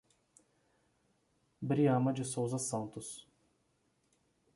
Bryama de Souza Santos